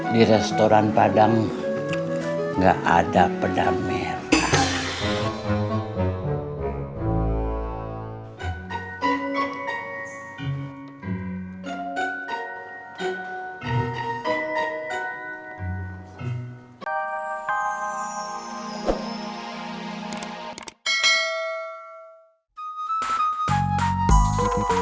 di restoran padang gak ada pedang merah